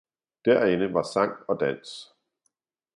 derinde var sang og dans.